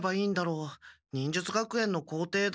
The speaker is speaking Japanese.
忍術学園の校庭だと。